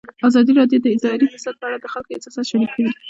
ازادي راډیو د اداري فساد په اړه د خلکو احساسات شریک کړي.